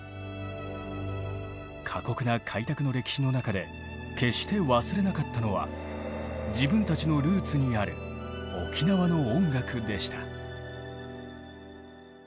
過酷な開拓の歴史の中で決して忘れなかったのは自分たちのルーツにある沖縄の音楽でした。